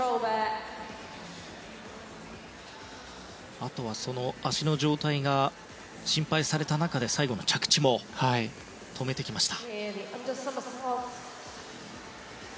あとは、足の状態が心配された中で最後の着地も止めてきました。